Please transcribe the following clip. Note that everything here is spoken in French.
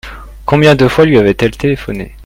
Combien de fois lui avaient-elles téléphoné ?